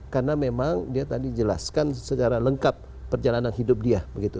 karena memang dia tadi jelaskan secara lengkap perjalanan hidup dia